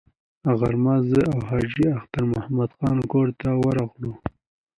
غرمه زه او حاجي اختر محمد خان کور ته ورغلو.